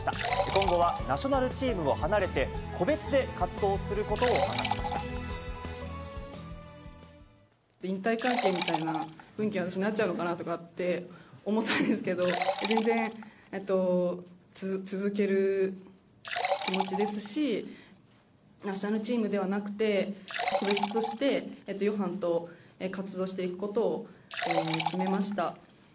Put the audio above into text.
今後はナショナルチームを離れて、個別で活動することを明かしまし引退会見みたいな雰囲気に、私、なっちゃうのかなとかって思ったんですけど、全然続ける気持ちですし、ナショナルチームではなくて、個別として、ヨハンと活動していくことを決めました。